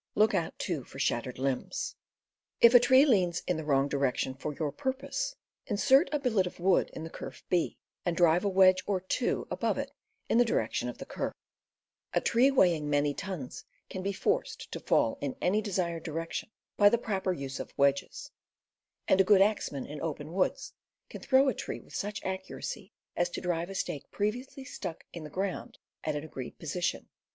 Look out, too, for shattered limbs. If a tree leans in the wrong direction for your pur pose, insert a billet of wood in the kerf B, and drive a wedge or two above it in the direction of the kerf. A 258 CAMPING AND WOODCRAFT tree weighing many tons can be forced to fall in any desired direction by the proper use of wedges; and a good axeman, in open woods, can throw a tree with such accuracy as to drive a stake previously stuck in the ground at an agreed position.